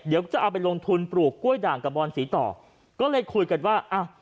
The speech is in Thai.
เดี๋ยวจะเอาไปลงทุนปลูกกล้วยด่างกระบอนสีต่อก็เลยคุยกันว่าอ่ะ